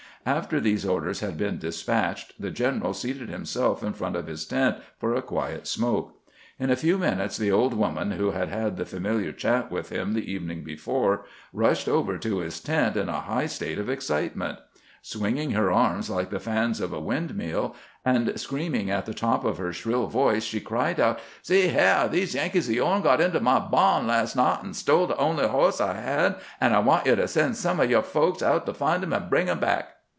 After these orders had been despatched, the general seated himself in front of his tent for a quiet smoke. In a few minutes the old woman who had had the familiar chat with him the evening before rushed over to his tent in a high state of excitement. Swinging her arms like the fans of a wind mill, and screaming at the top of her shrill voice, she cried out :" See h'yah ; these Yankees o' yourn got into my bahn last night, and stole the only hoss I had, and I want you to send some of your folks out to find him and bring him back."